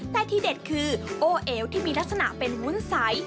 แต่ที่เด็ดคือโอเอวที่มีลักษณะเป็นวุ้นใส